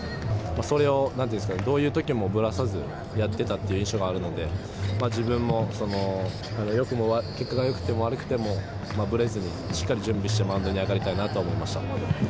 それを、なんて言うんですかね、どういうときもぶらさずやってたっていう印象があるので、自分もよくも、結果がよくても悪くても、ぶれずに、しっかり準備してマウンドに上がりたいなと思いました。